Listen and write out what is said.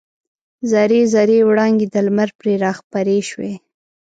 زر زري وړانګې د لمر پرې راخپرې شوې.